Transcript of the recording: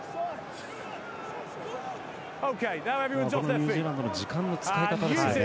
ニュージーランドの時間の使い方ですね。